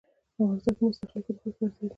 افغانستان کې مس د خلکو د خوښې وړ ځای دی.